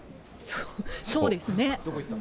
そうですね。